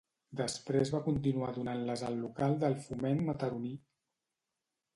Després va continuar donant-les al local del Foment Mataroní.